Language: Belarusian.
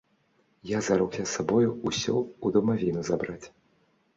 Я зарокся з сабою ўсё ў дамавіну забраць.